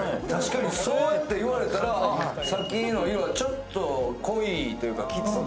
そうやって言われたら、さっきの色はちょっと濃いというか、きつく。